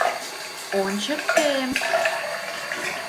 — Ончыктем...